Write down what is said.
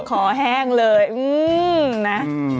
คอแห้งเลยนะ